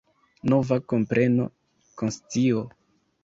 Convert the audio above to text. Nova kompreno, konscio.